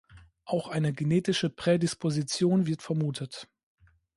Auch eine genetische Prädisposition wird vermutet.